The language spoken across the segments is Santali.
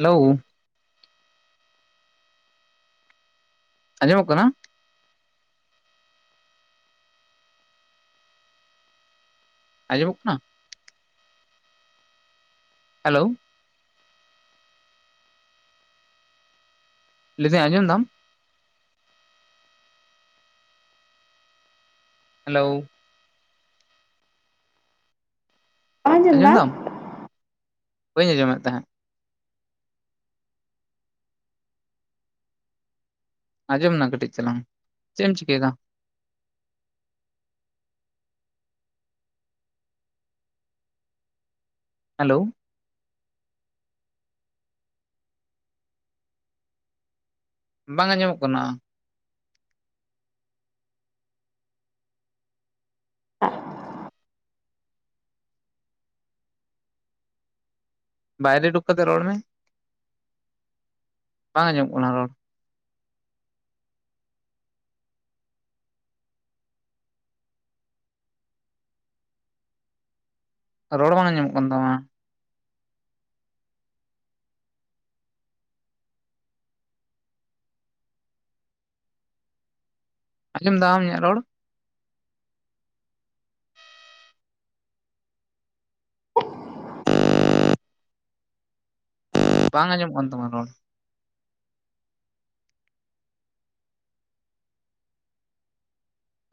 ᱦᱮᱞᱳ ᱾ ᱟᱡᱸᱚᱢᱚᱜ ᱠᱟᱱᱟ? ᱟᱸᱡᱚᱢᱚᱜ ᱠᱟᱱᱟ? ᱦᱮᱞᱳ ᱾ ᱞᱟᱹᱭ ᱫᱟᱹᱧ ᱟᱸᱡᱚᱢ ᱫᱟᱢ? ᱦᱮᱞᱳᱣ ᱾ ᱵᱟᱢ ᱟᱸᱡᱚᱢ ᱫᱟ ᱫᱟᱢ? ᱵᱟᱹᱧ ᱟᱸᱡᱚᱢᱮᱫ ᱛᱟᱦᱮᱸᱫ ᱾ ᱟᱸᱡᱚᱢ ᱮᱱᱟ ᱠᱟᱹᱴᱤᱡ ᱪᱟᱞᱟᱝ ᱾ ᱪᱮᱫ ᱮᱢ ᱪᱤᱠᱟᱹᱭᱮᱫᱟ? ᱦᱮᱞᱳᱣ ᱾ ᱵᱟᱝ ᱟᱸᱡᱚᱢᱚᱜ ᱠᱟᱱᱟ ᱾ ᱵᱟᱭᱨᱮ ᱩᱰᱩᱠ ᱠᱟᱛᱮ ᱨᱚᱲ ᱢᱮ, ᱵᱟᱝ ᱟᱸᱡᱚᱢ ᱠᱟᱱᱟ ᱨᱚᱲ ᱾ ᱨᱚᱲ ᱵᱟᱝ ᱟᱸᱡᱚᱢᱚᱜ ᱠᱟᱱ ᱛᱟᱢᱟ ᱾ ᱟᱸᱡᱚᱢ ᱫᱟᱢ ᱤᱧᱟᱜ ᱨᱚᱲ? ᱵᱟᱝ ᱟᱸᱡᱚᱢᱚᱜ ᱠᱟᱱ ᱛᱟᱢᱟ ᱨᱚᱲ ᱾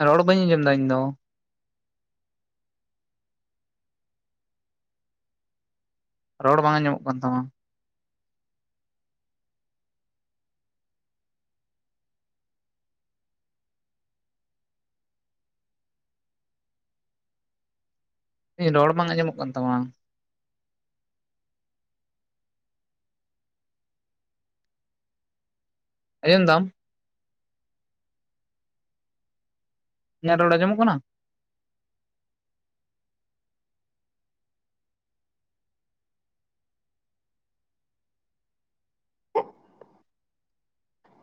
ᱨᱚᱲ ᱵᱟᱹᱧ ᱟᱸᱡᱚᱢ ᱮᱫᱟ ᱤᱧ ᱫᱚ ᱾ ᱨᱚᱲ ᱵᱟᱝ ᱟᱸᱡᱚᱢᱚᱜ ᱠᱟᱱ ᱛᱟᱢᱟ ᱾ [unintelligible] ᱨᱚᱲ ᱵᱟᱝ ᱟᱸᱡᱚᱢᱚᱜ ᱠᱟᱱ ᱛᱟᱢᱟ ᱾ ᱟᱸᱡᱚᱢ ᱫᱟᱢ? ᱤᱧᱟᱜ ᱨᱚᱲ ᱟᱸᱡᱚᱢᱚᱜ ᱠᱟᱱᱟ?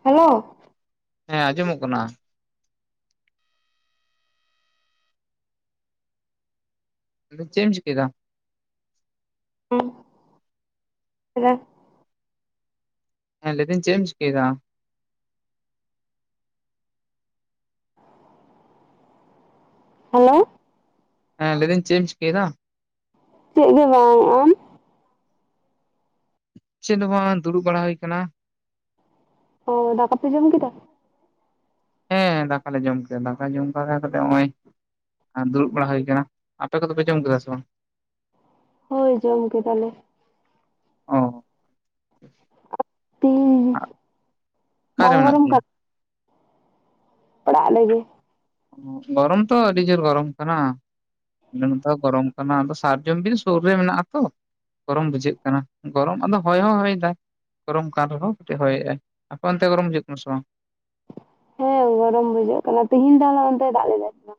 ᱦᱟᱞᱳ ᱾ ᱦᱮᱸ, ᱟᱸᱡᱚᱢᱚᱜ ᱠᱟᱱᱟ ᱾ [unintelligible] ᱮᱢ ᱪᱤᱠᱟᱹᱭ ᱫᱟ? ᱦᱮᱸ [unintelligible] ᱦᱮᱸ ᱞᱟᱹᱭ ᱮᱫᱟᱹᱧ ᱪᱮ ᱮᱢ ᱪᱤᱠᱟᱹᱭᱫᱟ? ᱦᱟᱞᱳ ᱾ ᱦᱮᱸ ᱞᱟᱹᱭᱫᱟᱹᱧ ᱪᱮᱫ ᱮᱢ ᱪᱤᱠᱟᱹᱭᱮᱫᱟ? ᱪᱮᱫ [unintelligible] ᱵᱟᱝ ᱾ ᱟᱢ? ᱪᱮᱫ ᱦᱚᱸ ᱵᱟᱝ ᱫᱩᱲᱩᱵ ᱵᱟᱲᱟ ᱦᱩᱭ ᱟᱠᱟᱱᱟ ᱾ ᱚ, ᱫᱟᱠᱟ ᱯᱮ ᱡᱚᱢ ᱠᱮᱫᱟ? ᱦᱮᱸ, ᱫᱟᱠᱟᱞᱮ ᱡᱚᱢ ᱠᱮᱫᱟ ᱾ ᱫᱟᱠᱟ ᱡᱚᱢ ᱵᱟᱲᱟ ᱠᱟᱛᱮ ᱱᱚᱜᱼᱚᱭ ᱫᱩᱲᱩᱵ ᱵᱟᱲᱟ ᱦᱩᱭ ᱟᱠᱟᱱᱟ ᱾ ᱟᱯᱮ ᱠᱚᱫᱚ ᱯᱮ ᱡᱚᱢ ᱠᱮᱫᱟ ᱥᱮ ᱵᱟᱝ? ᱦᱚᱭ, ᱡᱚᱢ ᱠᱮᱫᱟᱞᱮ ᱾ ᱚ ᱾ ᱟᱨ ᱛᱤ ᱚᱠᱟᱨᱮ ᱵᱟᱝ ᱢᱮᱱᱟᱜ ᱜᱚᱨᱚᱢ ᱯᱮᱭᱟ ᱠᱟᱱ? ᱯᱟᱲᱟᱜ ᱞᱮᱜᱮ᱾ ᱜᱚᱨᱚᱢ ᱛᱚ ᱟᱹᱰᱤ ᱡᱩᱨ ᱜᱚᱨᱚᱢ ᱠᱟᱱᱟ᱾ [unintelligible] ᱫᱚ ᱜᱚᱨᱚᱢ ᱠᱟᱱᱟ ᱟᱫᱚ ᱥᱟᱨᱡᱚᱢ ᱵᱤᱨ ᱥᱩᱨ ᱨᱮ ᱢᱮᱱᱟᱜᱼᱟ ᱛᱚ᱾ ᱜᱚᱨᱚᱢ ᱵᱩᱡᱷᱟᱹᱜ ᱠᱟᱱᱟ ᱜᱚᱨᱚᱢ ᱟᱫᱚ ᱦᱚᱭ ᱦᱚ ᱵᱟᱭ ᱦᱚᱭ ᱫᱟᱭ᱾ ᱜᱚᱨᱚᱢ ᱠᱟᱱ ᱨᱮᱦᱚᱸ ᱠᱟᱹᱴᱤᱡ ᱦᱚᱭᱮᱜᱼᱟᱭ, ᱟᱯᱮ‌ ᱚᱱᱛᱮ ᱜᱚᱨᱚᱢ ᱵᱩᱡᱷᱟᱹᱜ ᱠᱟᱱᱟ ᱥᱮ ᱵᱟᱝ? ᱦᱮᱸ ᱜᱚᱨᱚᱢ ᱵᱩᱡᱷᱟᱹᱜ ᱠᱟᱱᱟ ᱛᱮᱦᱤᱧ ᱫᱚ [unintelligible] ᱚᱱᱛᱮ ᱫᱟᱜ ᱞᱮᱫᱟᱭ ᱥᱮ ᱵᱟ?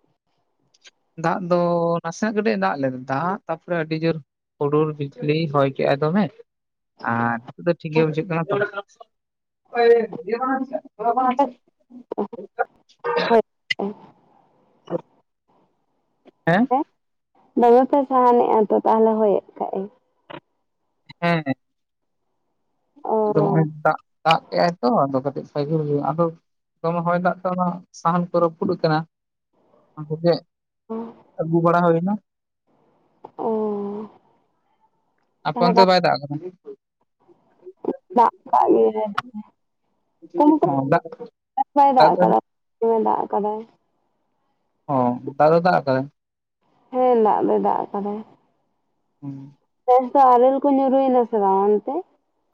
ᱫᱟᱜ ᱫᱚ ᱱᱟᱥᱮ ᱱᱟᱜ ᱠᱟᱹᱴᱤᱡ ᱫᱟᱜ ᱞᱮᱫᱟ ᱫᱟᱜ ᱛᱟᱯᱚᱨᱮ ᱟᱹᱰᱤ ᱡᱩᱨᱼᱼ ᱦᱩᱰᱩᱨ ᱵᱤᱡᱽᱞᱤ ᱦᱚᱭ ᱠᱮᱜᱼᱟᱭ ᱫᱚᱢᱮ ᱟᱨ ᱱᱤᱛᱚᱜ ᱫᱚ ᱴᱷᱤᱠ ᱜᱮ ᱵᱩᱡᱷᱟᱹᱜ ᱠᱟᱱᱟ ᱛᱚ᱾ ᱳᱭ ᱵᱟᱝ [unintelligible] ᱚᱸ᱾ ᱳᱵ ᱦᱮᱸ᱾ ᱮ ᱫᱚᱢᱮ ᱯᱮ ᱥᱟᱦᱟᱱᱮᱜᱼᱟ ᱛᱚ ᱛᱟᱦᱚᱞᱮ ᱦᱚᱭᱮᱫ ᱠᱷᱟᱡ ᱮ᱾ ᱦᱮᱸᱦᱮᱸ᱾ ᱚ ᱟᱫᱚ ᱦᱚᱸᱜᱼᱚᱭ ᱫᱟᱜ ᱫᱟᱜ ᱠᱮᱜᱼᱟᱭ ᱛᱚ ᱟᱫᱚ ᱠᱟᱹᱴᱤᱡ ᱥᱤᱜᱤᱲ ᱜᱮ ᱟᱫᱚᱼᱼ ᱫᱚᱢᱮ ᱦᱚᱭ ᱫᱟᱜ ᱛᱮ ᱚᱱᱟ ᱥᱟᱦᱟᱱ ᱠᱚ ᱨᱟᱹᱯᱩᱫ ᱟᱠᱟᱱᱟ [unintelligible] ᱠᱚᱜᱮ᱾ ᱟᱹᱜᱩ ᱵᱟᱲᱟ ᱦᱩᱭ ᱱᱟ᱾ ᱚ ᱟᱯᱮ ᱛᱟᱦᱚᱞᱮ ᱚᱱᱛᱮ ᱜᱟᱱ ᱵᱟᱭ ᱫᱟᱜ ᱠᱟᱫᱟ? ᱫᱟᱜ ᱟᱠᱟᱜ ᱜᱮᱭᱟᱭ ᱱᱚᱛᱮ ᱠᱩᱢᱩ ᱚ ᱫᱟᱜ ᱛᱮ ᱵᱟᱭ ᱫᱟᱜ ᱟᱠᱟᱫᱟ᱾ ᱫᱚᱢᱮ ᱫᱟᱜ ᱟᱠᱟᱫᱟᱭ᱾ ᱦᱚᱸ ᱫᱟᱜ ᱫᱚ ᱫᱟᱜ ᱟᱠᱟᱫᱟᱭ᱾ ᱦᱮᱸ ᱫᱟᱜ ᱫᱚᱭ ᱫᱟᱜ ᱟᱠᱟᱫᱟᱭ᱾ ᱦᱩᱸ᱾ ᱱᱮᱥ ᱫᱚ ᱟᱨᱮᱞ ᱠᱚ ᱧᱩᱨᱩᱭᱱᱟ ᱥᱮ ᱵᱟᱝ ᱚᱱᱛᱮ?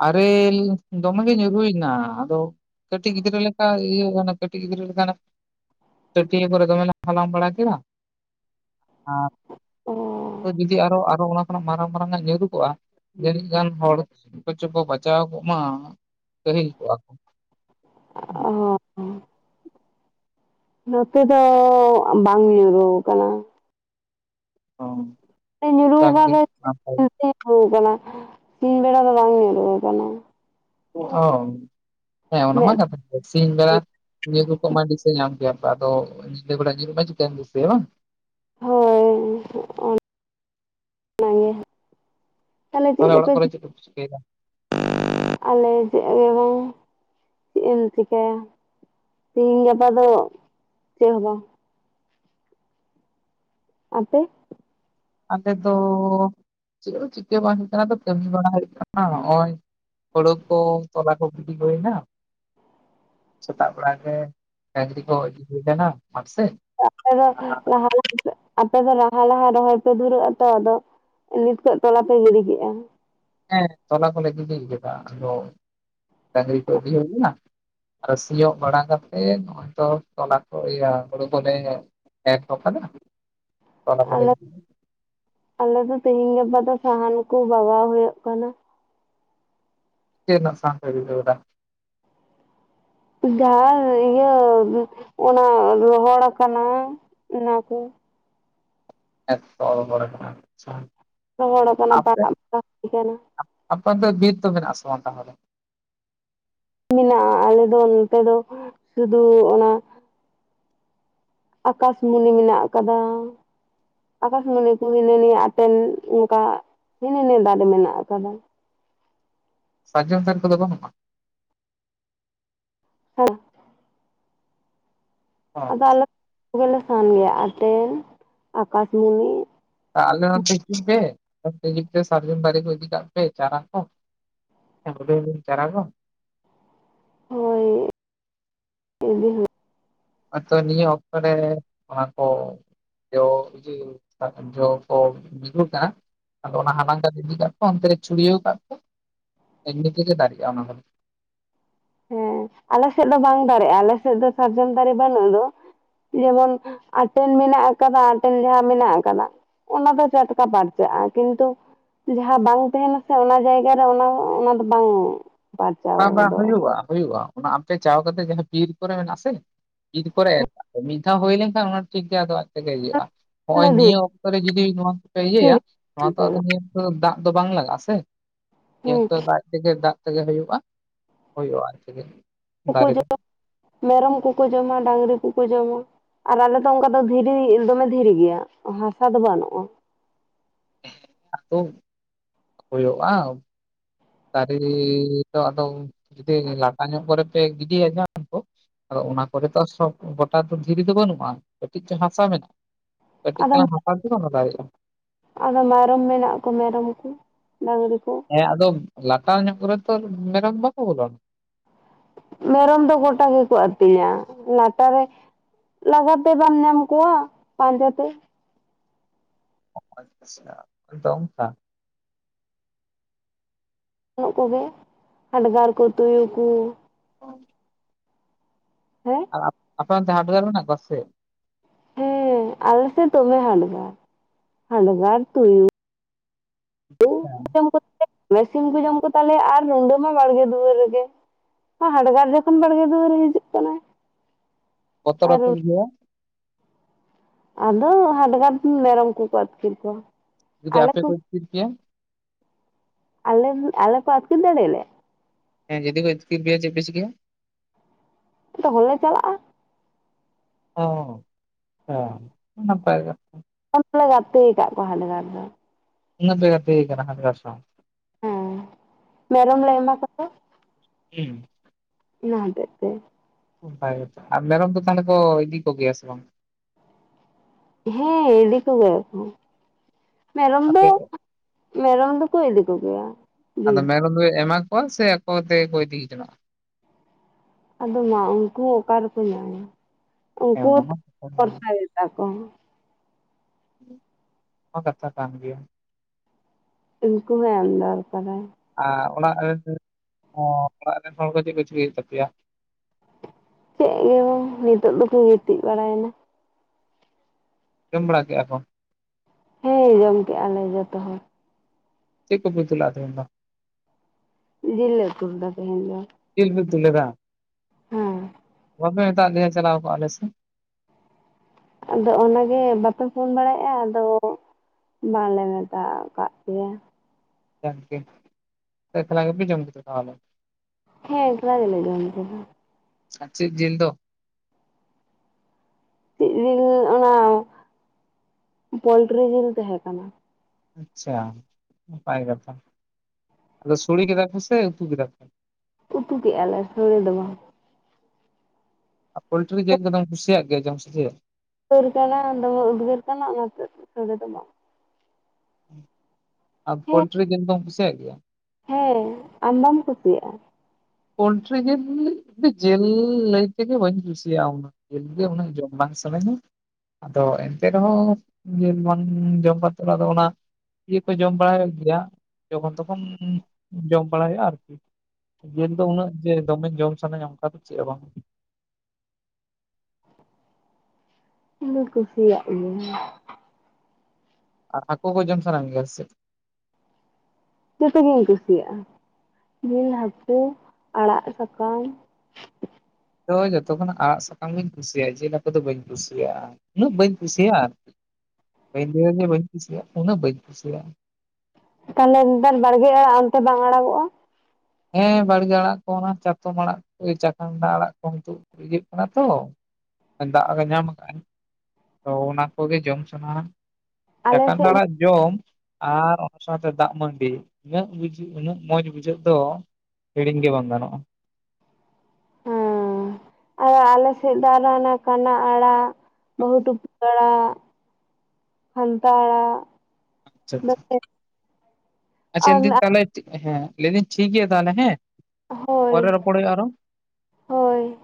ᱟᱨᱮᱞ ᱫᱚᱢᱮ ᱜᱤ ᱧᱩᱨᱩᱭᱱᱟ ᱟᱫᱚᱼᱼ ᱠᱟᱹᱴᱤᱡ ᱜᱤᱫᱽᱨᱟᱹ ᱞᱮᱠᱟ ᱤᱭᱟᱹ ᱠᱟᱱᱟ ᱠᱟᱹᱴᱤᱡ ᱜᱤᱫᱽᱨᱟᱹ ᱞᱮᱠᱟ ᱚᱱᱟᱼᱼ ᱴᱟᱹᱴᱭᱟᱹ ᱠᱚᱨᱮ ᱫᱚᱢᱮ ᱞᱮ ᱦᱟᱞᱟᱝ ᱵᱟᱲᱟ ᱠᱮᱫᱟ ᱚ ᱟᱨᱼᱼ ᱡᱩᱫᱤ ᱟᱨᱚ ᱟᱨᱚ ᱚᱱᱟ ᱠᱷᱚᱱᱟᱜ ᱢᱟᱨᱟᱝ ᱢᱟᱨᱟᱝᱟᱜ ᱧᱩᱨᱩ ᱠᱚᱜ-ᱟ ᱡᱟᱹᱱᱤᱡ ᱠᱷᱟᱱ ᱦᱚᱲᱼᱼ ᱠᱚᱪᱚ ᱠᱚ ᱵᱟᱡᱟᱣ ᱠᱚᱜ ᱢᱟ ᱠᱟᱹᱦᱤᱞ ᱠᱚᱜ-ᱟ ᱠᱚ᱾ ᱚᱻ [unintelligible] ᱱᱚᱛᱮ ᱫᱚ ᱵᱟᱝ ᱧᱩᱨᱩ ᱟᱠᱟᱱᱟ᱾ ᱚᱸ᱾ ᱮ ᱧᱩᱨᱩᱣᱠᱟᱱ ᱨᱮᱦᱚ ᱥᱤᱧ ᱵᱮᱲᱟ ᱫᱚ ᱵᱟᱝ ᱧᱩᱨᱩᱣ ᱠᱟᱱᱟ᱾ ᱚ ᱦᱚᱸᱣ ᱦᱮᱸ ᱚᱱᱟ ᱢᱟ ᱢᱮᱫ ᱠᱟᱛᱷᱟ ᱥᱤᱧ ᱵᱮᱲᱟ ᱧᱩᱨᱩ ᱠᱚᱜ ᱢᱟ ᱫᱤᱥᱟᱹ ᱧᱟᱢ ᱠᱮᱭᱟ ᱯᱮ ᱟᱫᱚ ᱧᱤᱫᱟᱹ ᱵᱮᱲᱟ ᱧᱩᱨᱩᱜ ᱢᱟ ᱪᱤᱠᱟᱢ ᱫᱤᱥᱟᱹᱭᱟ ᱵᱟᱝ᱾ ᱦᱚᱭ ᱦᱮᱸ ᱚᱱᱮ ᱚᱱᱟ ᱜᱮ᱾ ᱛᱟᱦᱚᱞᱮ ᱪᱤᱜ ᱠᱚ ᱠᱩ ᱚᱲᱟᱜ ᱯᱮ ᱠᱚᱨᱮ ᱪᱤᱠᱼᱼ ᱪᱮᱫ ᱠᱚᱯᱮ ᱪᱤᱠᱟᱹᱭᱮᱫᱟ ᱟᱞᱮ ᱪᱮᱜ ᱜᱮ ᱵᱟᱝ ᱪᱤᱜ ᱮᱢ ᱪᱤᱠᱟᱭᱟ᱾ ᱛᱤᱦᱤᱧ ᱜᱟᱯᱟ ᱫᱚ ᱪᱮᱜ ᱦᱚᱸ ᱵᱟᱝ᱾ ᱟᱯᱮ? ᱟᱞᱮ ᱫᱚ ᱪᱤᱜ ᱦᱚᱸ ᱪᱤᱠᱟᱹ ᱵᱟᱝ ᱦᱩᱭᱩᱜ ᱠᱟᱱᱟ ᱟᱫᱚ ᱠᱟᱹᱢᱤ ᱵᱟᱲᱟ ᱦᱩᱭᱩᱜ ᱠᱟᱱᱟ ᱱᱚᱜ-ᱚᱸᱭᱼᱼ ᱦᱩᱲᱩ ᱠᱚ ᱛᱚᱞᱟ ᱠᱚ ᱜᱤᱰᱤ ᱦᱚᱭ ᱮᱱᱟ᱾ ᱥᱮᱛᱟᱜ ᱵᱮᱲᱟ ᱜᱮ ᱰᱟᱹᱝᱨᱤ ᱠᱚ ᱤᱫᱤ ᱦᱩᱭ ᱟᱠᱟᱱᱟ ᱢᱟᱴ ᱥᱮᱫ ᱾ ᱟᱯᱮ ᱫᱚ ᱞᱟᱦᱟ [unintelligible] ᱥᱮᱼᱼ ᱟᱯᱮ ᱫᱚ ᱞᱟᱦᱟ ᱞᱟᱦᱟ ᱨᱚᱦᱚᱭ ᱯᱮ ᱫᱷᱩᱨᱟᱹᱜ-ᱟ ᱛᱚ ᱟᱫᱚ ᱮ ᱱᱤᱛ ᱠᱷᱚᱱ ᱛᱚᱞᱟ ᱯᱮ ᱜᱤᱰᱤ ᱠᱮᱜ-ᱟ᱾ ᱦᱮᱸ ᱛᱚᱞᱟ ᱠᱚᱞᱮ ᱜᱤᱰᱤ ᱠᱮᱫᱟ ᱟᱫᱚ ᱰᱟᱹᱝᱨᱤ ᱠᱚ ᱤᱫᱤ ᱦᱩᱭ ᱞᱮᱱᱟ᱾ ᱟᱨ ᱥᱤᱭᱳᱜ ᱵᱟᱲᱟ ᱠᱟᱛᱮᱜ ᱱᱚᱜ-ᱚᱸᱭ ᱛᱚ ᱛᱚᱞᱟ ᱠᱚ ᱤᱭᱟᱹ ᱦᱩᱲᱩ ᱠᱚᱞᱮᱼᱼ ᱮᱨ ᱚᱴᱚ ᱠᱟᱫᱟ ᱛᱚᱞᱟ ᱠᱚᱞᱮ ᱟᱞᱮ ᱜᱤᱰᱤ ᱦᱩᱭᱼᱼ ᱟᱞᱮ ᱫᱚ ᱛᱤᱦᱤᱧ ᱜᱟᱯᱟ ᱫᱚ ᱥᱟᱦᱟᱱ ᱠᱚ ᱵᱟᱜᱟᱣ ᱦᱚᱭᱚᱜ ᱠᱟᱱᱟ᱾ ᱪᱮᱜ ᱨᱮᱱᱟᱜ ᱥᱟᱦᱟᱱ ᱯᱮ ᱵᱤᱜᱷᱟᱹᱣ ᱮᱫᱟ? ᱡᱟᱦᱟᱸ ᱤᱭᱟᱹ ᱚᱱᱟ ᱨᱚᱦᱚᱲ ᱟᱠᱟᱱᱟ ᱚᱱᱟ ᱠᱩ [unintelligible] ᱨᱚᱦᱚᱲ ᱟᱠᱟᱱᱟ ᱟᱯᱮ ᱯᱟᱲᱟᱜ ᱵᱟᱲᱟ ᱦᱩᱭ ᱟᱠᱟᱱᱟ ᱟᱯᱮ ᱚᱱᱛᱮ ᱫᱚ ᱵᱤᱨ ᱫᱚ ᱢᱮᱱᱟᱜ-ᱟ ᱥᱮ ᱵᱟᱝ ᱛᱟᱦᱚᱞᱮ ᱢᱮᱱᱟᱜᱼᱟ ᱟᱞᱮ ᱫᱚ ᱱᱚᱛᱮ ᱫᱚ ᱥᱩᱫᱩ ᱚᱱᱟ ᱟᱠᱟᱥᱢᱩᱱᱤ ᱢᱮᱱᱟᱜ ᱟᱠᱟᱫᱟ ᱟᱠᱟᱥ ᱢᱩᱱᱤ ᱠᱚ ᱦᱤᱱᱟᱹ ᱱᱤᱭᱟᱹ ᱟᱴᱮᱱ ᱚᱱᱠᱟ ᱦᱤᱱᱟᱹ ᱱᱤᱭᱟᱹ ᱫᱟᱨᱮ ᱢᱮᱱᱟᱜ ᱟᱠᱟᱫᱟ ᱥᱟᱨᱡᱚᱢ ᱫᱟᱨᱤ ᱠᱚᱫᱚ ᱵᱟᱹᱱᱩᱜᱼᱟ ᱦᱮᱸ ᱟᱫᱚ ᱟᱞᱮ ᱠᱚᱜᱮ ᱞᱮ ᱥᱟᱦᱟᱱ ᱜᱮᱭᱟ ᱟᱴᱮᱱ ᱟᱠᱟᱥ ᱢᱩᱱᱤ ᱟᱨ ᱟᱞᱮ ᱱᱚᱛᱮ ᱦᱤᱡᱩᱜ ᱯᱮ ᱦᱤᱡᱩᱜ ᱛᱮ ᱥᱟᱨᱡᱚᱢ ᱫᱟᱨᱮ ᱠᱚ ᱤᱫᱤ ᱠᱟᱜ ᱯᱮ ᱪᱟᱨᱟ ᱠᱚ ᱦᱩᱰᱤᱧ ᱦᱩᱰᱤᱧ ᱪᱟᱨᱟ ᱠᱚ ᱦᱳᱭ ᱤᱫᱤ ᱦᱩᱭᱩᱜ ᱟᱨ ᱛᱚᱵᱮ ᱱᱤᱭᱟᱹ ᱚᱠᱛᱚ ᱨᱮ ᱚᱱᱟ ᱠᱚ ᱡᱚ [unintelligible] ᱡᱚ ᱠᱚ ᱧᱩᱨᱩ ᱟᱠᱟᱱᱟ ᱟᱫᱚ ᱚᱱᱟ ᱦᱟᱞᱟᱝ ᱠᱟᱛᱮ ᱤᱫᱤ ᱠᱟᱜ ᱯᱮ ᱚᱱᱛᱮ ᱨᱮ ᱪᱷᱩᱲᱭᱟᱹᱣ ᱠᱟᱜ ᱯᱮ ᱮᱢᱱᱤ ᱛᱮᱜᱮ ᱫᱟᱨᱮᱜᱼᱟ ᱚᱱᱟ ᱫᱚ ᱦᱮᱸ ᱟᱞᱮ ᱥᱮᱫ ᱫᱚ ᱵᱟᱝ ᱫᱟᱨᱮᱜᱼᱟ ᱟᱞᱮ ᱥᱮᱫ ᱫᱚ ᱥᱟᱨᱡᱚᱢ ᱫᱟᱨᱮ ᱵᱟᱹᱱᱩᱜ ᱫᱚ ᱡᱮᱢᱚᱱ ᱟᱴᱮᱱ ᱢᱮᱱᱟᱜ ᱟᱠᱟᱫᱟ ᱟᱴᱮᱱ [unintelligible] ᱢᱮᱱᱟᱜ ᱟᱠᱟᱫᱟ ᱚᱱᱟ ᱫᱚ ᱴᱟᱴᱠᱟ ᱯᱟᱨᱪᱟᱜᱼᱟ ᱠᱤᱱᱛᱩ ᱡᱟᱦᱟᱸ ᱵᱟᱝ ᱛᱟᱦᱮᱱᱟ ᱥᱮ ᱚᱱᱟ ᱡᱟᱭᱜᱟ ᱨᱮ ᱚᱱᱟ ᱚᱱᱟ ᱫᱚ ᱵᱟᱝ ᱯᱟᱨᱪᱟᱣ ᱵᱟᱝ ᱵᱟᱝ ᱜᱚᱫᱚᱜᱼᱟ ᱦᱩᱭᱩᱜᱼᱟ ᱦᱩᱭᱩᱜᱼᱟ ᱚᱱᱟ ᱟᱯᱮ ᱪᱟᱣ ᱠᱟᱛᱮ ᱡᱟᱦᱟᱸ ᱵᱤᱨ ᱠᱚᱨᱮ ᱢᱮᱱᱟᱜ ᱟᱥᱮ ᱵᱤᱨ ᱠᱚᱨᱮ ᱢᱤᱫ ᱫᱷᱟᱣ ᱦᱩᱭ ᱞᱮᱱᱠᱷᱟᱱ ᱚᱱᱟ ᱴᱷᱤᱠ ᱜᱮ ᱟᱫᱚ ᱛᱮᱜᱮ ᱤᱭᱟᱸᱜᱼᱟ ᱦᱚᱸᱜ ᱚᱭ ᱱᱤᱭᱟᱹ ᱚᱠᱛᱚ ᱨᱮ ᱡᱩᱫᱤ ᱱᱚᱣᱟ ᱠᱚᱯᱮ ᱤᱭᱟᱹᱭᱟ ᱱᱚᱣᱟ ᱛᱚ ᱟᱫᱚ ᱱᱤᱭᱟᱹ ᱛᱚ ᱫᱟᱜ ᱫᱚ ᱵᱟᱝ ᱞᱟᱜᱟᱜᱼᱟ ᱥᱮ ᱦᱮᱸ ᱠᱮᱛᱚ ᱫᱟᱜ ᱛᱮᱜᱮ ᱫᱟᱜ ᱛᱮᱜᱮ ᱦᱩᱭᱩᱜᱼᱟ ᱦᱳᱭᱳᱜᱼᱟ ᱟᱡ ᱛᱮᱜᱮ ᱾ ᱚᱠᱚᱭ ᱡᱚ ᱠᱚ ᱢᱮᱨᱚᱢ ᱠᱚᱠᱚ ᱡᱚᱢᱟ ᱰᱟᱺᱝᱨᱤ ᱠᱚᱠᱚ ᱡᱚᱢᱟ, ᱟᱨ ᱟᱞᱮᱫᱚ ᱚᱱᱠᱟ ᱫᱚ ᱫᱷᱤᱨᱤ ᱫᱚᱢᱮ ᱫᱷᱤᱨᱤ ᱜᱮᱭᱟ ᱦᱟᱥᱟ ᱫᱚ ᱵᱟᱹᱱᱩᱜᱼᱟ ᱾ ᱛᱳ ᱦᱩᱭᱩᱜᱼᱟ ᱫᱟᱨᱮ ᱨᱤ ᱫᱚ ᱟᱫᱚ ᱡᱩᱫᱤ ᱞᱟᱴᱟ ᱧᱚᱜ ᱠᱚᱨᱮ ᱯᱮ ᱜᱤᱰᱤᱭᱟ ᱡᱟᱝ ᱠᱩ ᱟᱫᱚ ᱚᱱᱟ ᱠᱚᱨᱮ ᱛᱚ ᱥᱚᱵ ᱜᱚᱴᱟ ᱫᱚ ᱫᱷᱤᱨᱤ ᱫᱚ ᱵᱟᱹᱱᱩᱜᱼᱟ, ᱠᱟᱹᱴᱤᱡ ᱪᱚ ᱦᱟᱥᱟ ᱢᱮᱱᱟᱜᱼᱟ ᱠᱟᱹᱴᱤᱡ ᱟᱫᱚ ᱪᱟᱞᱟᱝ ᱦᱟᱥᱟ ᱛᱮᱜᱮ ᱚᱱᱟ ᱫᱟᱲᱮᱜᱼᱟ᱾ ᱟᱫᱚ ᱢᱮᱨᱚᱢ ᱢᱮᱱᱟᱜ ᱠᱚ ᱢᱮᱨᱚᱢ ᱠᱩ ᱰᱟᱺᱝᱨᱤ ᱠᱚ᱾ ᱦᱮᱸ ᱟᱫᱚ ᱞᱟᱴᱟᱣ ᱧᱚᱜ ᱠᱚᱨᱮ ᱛᱚ ᱢᱮᱨᱚᱢ ᱵᱟᱠᱚ ᱵᱚᱞᱚᱱᱟ, ᱢᱮᱨᱚᱢ ᱫᱚ ᱜᱚᱴᱟ ᱜᱮᱠᱚ ᱟᱹᱛᱤᱧᱟ ᱞᱟᱴᱟᱨ ᱨᱮ ᱞᱟᱜᱟ ᱛᱮ ᱵᱟᱢ ᱧᱟᱢ ᱠᱚᱣᱟ ᱯᱟᱸᱡᱟ ᱛᱮ [unintelligible] ᱛᱚ ᱚᱱᱠᱟ ᱡᱟᱹᱱᱚᱜ ᱠᱚᱜᱮ ᱦᱟᱰᱜᱟᱨ ᱠᱚ ᱛᱩᱭᱩ ᱠᱩ [unintelligible] ᱦᱮᱸ, ᱟᱨ ᱟᱯᱮ ᱚᱱᱛᱮ ᱦᱟᱰᱜᱟᱨ ᱢᱮᱱᱟᱜ ᱠᱚᱣᱟ ᱥᱮ ᱦᱮᱸ ᱟᱞᱮ ᱥᱮᱫ ᱫᱚᱢᱮ ᱦᱟᱰᱜᱟᱨ ᱦᱟᱰᱜᱟᱨ ᱛᱩᱭᱩ [unintelligible] ᱢᱮ ᱥᱤᱢ ᱠᱚ ᱡᱚᱢ ᱠᱚᱛᱟᱞᱮᱭᱟ ᱟᱨ ᱨᱩᱱᱰᱟᱹ ᱢᱟ ᱵᱟᱲᱜᱮ ᱫᱩᱣᱟᱹᱨ ᱨᱮᱜᱮ ᱦᱟᱰᱜᱟᱨ ᱡᱚᱠᱷᱚᱱ ᱵᱟᱲᱜᱮ ᱫᱩᱣᱟᱹᱨᱮ ᱦᱤᱡᱩᱜ ᱠᱟᱱᱟᱭ ᱵᱚᱛᱚᱨ ᱟᱨ ᱵᱟᱯᱮ ᱵᱩᱡᱷᱟᱣᱟ ᱟᱫᱚ ᱦᱟᱰᱜᱟᱨ ᱛᱤ ᱢᱮᱨᱚᱢ ᱠᱚᱠᱚ ᱟᱹᱛᱠᱤᱨ ᱠᱚᱣᱟ ᱡᱩᱫᱤ ᱟᱯᱮ ᱠᱚ ᱤᱛᱠᱤᱨᱯᱮᱭᱟ᱾ ᱟᱞᱮ ᱟᱞᱮ ᱠᱚ ᱟᱹᱛᱠᱤᱨ ᱫᱟᱹᱲᱮᱭᱟᱞᱮᱭᱟ, ᱦᱮᱸ ᱡᱩᱫᱤ ᱠᱚ ᱤᱛᱠᱤᱨ ᱯᱮᱭᱟ ᱪᱮᱜ ᱯᱮ ᱪᱤᱠᱟᱹᱭᱟ ᱛᱚᱠᱷᱚᱱ ᱞᱮ ᱪᱟᱞᱟᱜᱼᱟ ᱾ ᱚ-ᱚ ᱱᱟᱯᱟᱭ ᱠᱟᱛᱷᱟ ᱾ [unintelligible] ᱜᱟᱛᱮ ᱠᱟᱜ ᱠᱚᱣᱟ ᱦᱟᱰᱜᱟᱨ ᱫᱚ ᱾ ᱤᱱᱟᱹᱜ ᱯᱮ ᱜᱟᱛᱮ ᱠᱟᱱᱟ ᱦᱟᱰᱜᱟᱨ ᱥᱟᱸᱣ, ᱦᱮᱸ ᱢᱮᱨᱚᱢ ᱞᱮ ᱮᱢ ᱟᱠᱚ ᱠᱟᱱ [unintelligible] ᱤᱱᱟᱹ ᱦᱚᱛᱮᱜ ᱛᱮ ᱾ ᱵᱷᱟᱜᱮ ᱜᱮᱛᱚ ᱟᱨ ᱢᱮᱨᱚᱢ ᱠᱚ ᱛᱟᱦᱚᱞᱮ ᱠᱚ ᱤᱫᱤ ᱠᱚᱜᱮᱭᱟ ᱥᱮ ᱵᱟᱝ, ᱦᱮᱸ ᱤᱫᱤ ᱠᱚᱜᱮ ᱭᱟᱠᱚ ᱢᱮᱨᱚᱢ ᱫᱚ ᱟᱯᱮ ᱢᱮᱨᱚᱢ ᱫᱚᱠᱚ ᱤᱫᱤ ᱠᱚ ᱜᱮᱭᱟ᱾ ᱟᱫᱚ ᱢᱮᱨᱚᱢ ᱫᱚᱭ ᱮᱢᱟ ᱠᱚᱣᱟ ᱥᱮ ᱟᱠᱚ ᱛᱮᱜᱮ ᱠᱚ ᱤᱫᱤ ᱡᱚᱝᱜᱚᱜ-ᱟ᱾ ᱟᱫᱚ ᱢᱟ ᱩᱱᱠᱩ ᱚᱠᱟ ᱨᱮᱠᱚ ᱧᱟᱢᱟ ᱦᱮᱸ ᱩᱱᱠᱩ ᱚᱱᱟ ᱦᱚᱸ [unintelligible] ᱯᱚᱨᱥᱟᱭ ᱦᱩᱭᱩᱜ ᱛᱟᱠᱚᱣᱟ ᱾ ᱚ ᱠᱟᱛᱷᱟ ᱠᱟᱱ ᱜᱮᱭᱟ, ᱩᱱᱠᱩ ᱦᱚᱸ ᱮᱢ ᱫᱚᱨᱠᱟᱨᱟᱭ᱾ ᱟᱨ ᱚᱲᱟᱜ ᱨᱮᱱ ᱦᱚᱸ ᱚᱲᱟᱜ ᱨᱮᱱ ᱦᱚᱲ ᱠᱚ ᱪᱮᱜ ᱠᱚ ᱪᱤᱠᱟᱹᱭ ᱮᱫ ᱛᱟᱯᱮᱭᱟ ᱾ ᱪᱮᱫ ᱜᱮᱵᱚ ᱱᱤᱛᱚᱜ ᱫᱚᱠᱚ ᱜᱤᱛᱤᱡ ᱵᱟᱲᱟᱭᱮᱱᱟ᱾ ᱡᱚᱢ ᱵᱟᱲᱟ ᱠᱮᱜᱟᱠᱚ? ᱦᱮᱸ ᱡᱚᱢ ᱠᱮᱜ ᱟᱞᱮ ᱡᱚᱛᱚ ᱦᱚᱲ ᱾ ᱪᱮᱜ ᱠᱚᱯᱮ ᱩᱛᱩᱞᱟᱜᱼᱟ ᱛᱮᱦᱮᱱ ᱫᱚ? ᱡᱤᱞ ᱞᱮ ᱩᱛᱩ ᱞᱮᱫᱟ ᱛᱮᱦᱮᱧ ᱫᱚ᱾ ᱡᱤᱞ ᱯᱮ ᱩᱛᱩ ᱞᱮᱫᱟ ᱾ ᱦᱮᱸ ᱵᱟᱯᱮ ᱢᱮᱛᱟᱜ ᱞᱮᱭᱟ ᱪᱟᱞᱟᱣ ᱠᱚᱣᱟ ᱞᱮ ᱥᱮ᱾ ᱟᱫᱚ ᱚᱱᱟ ᱜᱮ ᱵᱟᱯᱮ ᱯᱷᱳᱱ ᱵᱟᱲᱟᱭᱮᱼᱟ ᱟᱫᱚ ᱵᱟᱝᱞᱮ ᱢᱮᱛᱟᱣ ᱠᱟᱜ ᱯᱮᱭᱟ᱾ [unintelligible] ᱮᱠᱞᱟᱭ ᱜᱤᱯᱮ ᱡᱚᱢ ᱠᱮᱫᱟ ᱛᱟᱦᱞᱮ ᱦᱮᱸ ᱮᱠᱞᱟ ᱜᱮᱞᱮ ᱡᱚᱢ ᱠᱮᱫᱟ᱾ ᱟ ᱪᱮᱜ ᱡᱤᱞ ᱫᱚ? ᱪᱮᱫ ᱡᱤᱞ ᱚᱱᱟ ᱯᱳᱞᱴᱨᱤ ᱡᱤᱞ ᱛᱟᱦᱮᱸ ᱠᱟᱱᱟ᱾ ᱟᱪᱪᱷᱟ ᱱᱟᱯᱟᱭ ᱠᱟᱛᱷᱟ ᱟᱫᱚ ᱥᱚᱲᱮ ᱠᱮᱫᱟ ᱠᱚ ᱥᱮ ᱩᱛᱩ ᱠᱮᱫᱟ ᱠᱚ ᱩᱛᱩ ᱠᱮᱜᱼᱟᱞᱮ ᱥᱳᱲᱮ ᱫᱚ ᱵᱟᱝ᱾ ᱟ ᱯᱚᱞᱴᱨᱤ ᱡᱤᱞ ᱠᱚᱫᱚᱢ ᱠᱩᱥᱤᱭᱟᱜ ᱜᱮᱭᱟ ᱡᱚᱢ ᱥᱮ ᱪᱮᱫ [unintelligible] ᱫᱚᱢᱮ ᱩᱫᱜᱟᱹᱨ ᱠᱟᱱᱟ ᱚᱱᱟᱛᱮ ᱥᱚᱲᱮ ᱫᱚ ᱵᱟᱝ᱾ ᱟᱨ ᱦᱮᱸ ᱯᱳᱞᱴᱨᱤ ᱡᱤᱞ ᱫᱚᱢ ᱠᱩᱥᱤᱭᱟᱜ ᱜᱮᱭᱟ? ᱦᱮᱸ ᱟᱢ ᱵᱟᱢ ᱠᱩᱥᱤᱭᱟᱜᱼᱟ? ᱯᱳᱞᱴᱨᱤ ᱡᱤᱞ, ᱡᱤᱞ ᱞᱟᱹᱭ ᱛᱮ ᱜᱮ ᱵᱟᱹᱧ ᱠᱩᱥᱤᱭᱟᱜ ᱼᱟ ᱩᱱᱟᱹᱜ᱾ ᱡᱤᱞ ᱜᱮ ᱩᱱᱟᱹᱜ ᱡᱚᱢ ᱵᱟᱝ ᱥᱟᱱᱟᱧᱟ᱾ ᱟᱫᱚ ᱮᱱᱛᱮ ᱨᱮᱦᱚᱸ ᱡᱤᱞ ᱵᱟᱝ ᱡᱚᱢ ᱠᱟᱛᱮ ᱟᱫᱚ ᱚᱱᱟ ᱤᱭᱟᱹ ᱠᱚ ᱡᱚᱢ ᱵᱟᱲ ᱜᱮᱭᱟ ᱡᱚᱠᱷᱚᱱ ᱛᱚᱠᱷᱚᱱ ᱡᱚᱢ ᱵᱟᱲᱟᱭ ᱦᱩᱭᱩᱜᱼᱟ ᱟᱨᱠᱤ ᱡᱤᱞ ᱫᱚ ᱩᱱᱟᱹᱜ ᱡᱮ ᱫᱚᱢᱮ ᱡᱚᱢ ᱥᱟᱱᱟᱧᱟ ᱚᱱᱠᱟ ᱫᱚ ᱪᱮᱫ ᱦᱚᱸ ᱵᱟᱝ᱾ ᱤᱧ ᱫᱩᱧ ᱠᱩᱥᱤᱭᱟᱜ ᱜᱮᱭᱟ᱾ ᱟᱨ ᱦᱟᱠᱩ ᱠᱚ ᱡᱚᱢ ᱥᱟᱱᱟᱢ ᱡᱮᱭᱟ ᱥᱮ ᱪᱮᱫ? ᱡᱚᱛᱚ ᱜᱤᱧ ᱠᱩᱥᱤᱭᱟᱜᱼᱟ ᱡᱤᱞ ᱦᱟᱹᱠᱩ ᱟᱲᱟᱜ ᱥᱟᱠᱟᱢ ᱫᱚ ᱡᱚᱛᱚ ᱠᱷᱚᱱᱟᱜ ᱟᱲᱟᱜ ᱥᱟᱠᱟᱢ ᱜᱤᱧ ᱠᱩᱥᱤᱭᱟᱜᱼᱟ ᱡᱤᱞ ᱦᱟᱹᱠᱩ ᱫᱚ ᱵᱟᱹᱧ ᱠᱩᱥᱤᱭᱟᱜᱼᱟ᱾ ᱩᱱᱟᱹᱜ ᱵᱟᱹᱧ ᱠᱩᱥᱤᱭᱟᱜᱼᱟ [unintelligible] ᱩᱱᱟᱹᱜ ᱵᱟᱹᱧ ᱠᱩᱥᱤᱭᱟᱜᱼᱟ᱾ ᱛᱟᱦᱞᱮ ᱱᱮᱛᱟᱨ ᱵᱟᱲᱜᱮ ᱟᱲᱟᱜ ᱚᱱᱛᱮ ᱵᱟᱝ ᱟᱲᱟᱜᱚᱜᱼᱟ? ᱦᱮᱸ ᱵᱟᱲᱜᱮ ᱟᱲᱟᱜ ᱠᱚ ᱚᱱᱟ ᱪᱟᱛᱚᱢ ᱟᱲᱟᱜ ᱪᱟᱠᱟᱢᱟᱰᱟ ᱟᱲᱟᱜ ᱠᱚ [unintelligible] ᱠᱟᱱᱟ ᱛᱚ ᱫᱟᱜᱽ ᱜᱮ ᱧᱟᱢ ᱠᱟᱜᱼᱟᱭ ᱛᱚ ᱚᱱᱟ ᱠᱚᱜᱮ ᱡᱚᱢ ᱥᱟᱱᱟᱦᱟ᱾ ᱟᱞᱮ [unintelligible] ᱥᱮᱫ ᱟᱲᱟᱜ ᱡᱚᱢ ᱟᱨ ᱚᱱᱟ ᱥᱟᱶᱛᱮ ᱫᱟᱜᱽ ᱢᱟᱹᱰᱤ ᱩᱱᱟᱹᱜ ᱵᱩᱡᱷ ᱩᱱᱟᱹᱜ ᱢᱚᱸᱡᱽ ᱵᱩᱡᱷᱟᱹᱜ ᱫᱚ ᱦᱤᱲᱤᱧ ᱜᱮ ᱵᱟᱝ ᱜᱟᱱᱚᱜᱼᱟ᱾ ᱟᱨ ᱟᱞᱮᱥᱮᱫ ᱫᱚ ᱟᱨ ᱠᱟᱱᱟ ᱟᱲᱟᱜ ᱵᱟᱹᱦᱩ ᱴᱩᱯᱤ ᱟᱲᱟᱜ ᱥᱟᱱᱛᱟᱲᱟᱜ ᱟᱪᱷᱟ ᱟᱪᱷᱟ, ᱞᱟᱹᱭᱫᱤᱧ ᱟᱨ ᱛᱟᱦᱚᱞᱮ ᱦᱮᱸ ᱞᱟᱹᱭᱫᱟᱹᱧ ᱴᱷᱤᱠ ᱜᱮᱭᱟ ᱛᱟᱦᱚᱞᱮ ᱦᱮᱸ ᱯᱚᱨᱮ ᱦᱳᱭ ᱨᱚᱯᱚᱲ ᱦᱩᱭᱩᱜᱼᱟ ᱟᱨᱚ ᱦᱳᱭ